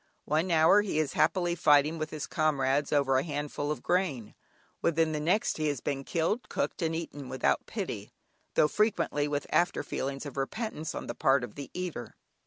One hour he is happily fighting with his comrades over a handful of grain, within the next he has been killed, cooked, and eaten without pity, though frequently with after feelings of repentance on the part of the eater.